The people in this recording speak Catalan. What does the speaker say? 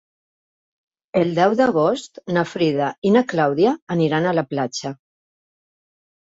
El deu d'agost na Frida i na Clàudia aniran a la platja.